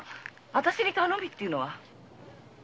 私に頼みっていうのは？